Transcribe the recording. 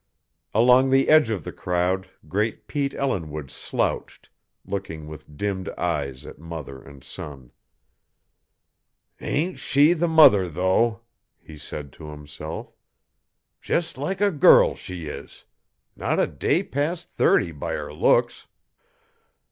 Along the edge of the crowd great Pete Ellinwood slouched, looking with dimmed eyes at mother and son. "Ain't she the mother, though?" he said to himself. "Just like a girl she is not a day past thirty by her looks!"